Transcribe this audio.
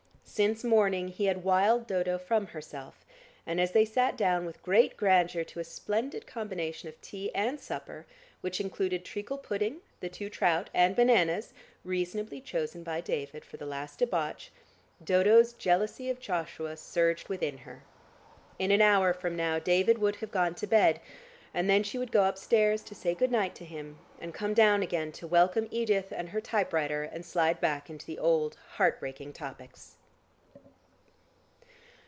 Since morning he had wiled Dodo from herself, and as they sat down with great grandeur to a splendid combination of tea and supper, which included treacle pudding, the two trout and bananas, reasonably chosen by David for the last debauch, Dodo's jealousy of Joshua surged within her. In an hour from now, David would have gone to bed, and then she would go upstairs to say good night to him, and come down again to welcome Edith and her typewriter and slide back into the old heart breaking topics.